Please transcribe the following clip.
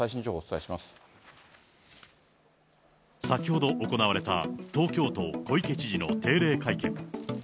先ほど行われた東京都、小池知事の定例会見。